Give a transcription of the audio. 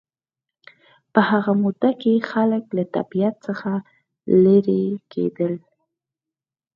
په هغه موده کې خلک له طبیعت څخه لېرې کېدل